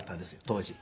当時。